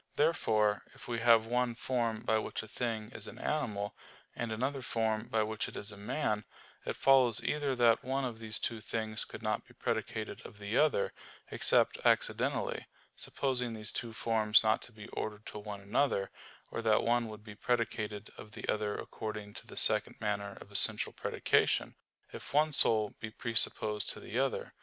Therefore, if we have one form by which a thing is an animal, and another form by which it is a man, it follows either that one of these two things could not be predicated of the other, except accidentally, supposing these two forms not to be ordered to one another or that one would be predicated of the other according to the second manner of essential predication, if one soul be presupposed to the other.